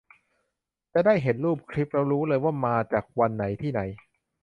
จะได้เห็นรูปเห็นคลิปแล้วรู้เลย ว่ามาจากวันไหน ที่ไหน